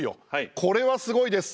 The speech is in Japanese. これはすごいです。